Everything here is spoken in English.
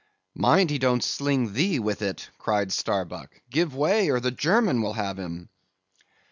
"Mind he don't sling thee with it," cried Starbuck. "Give way, or the German will have him."